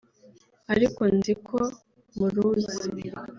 ariko nzi ko muruzi